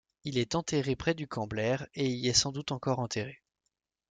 Il est enterré près du camp Blair, et y est sans doute encore enterré.